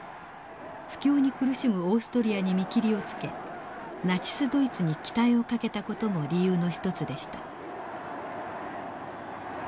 不況に苦しむオーストリアに見切りをつけナチス・ドイツに期待をかけた事も理由の一つでした。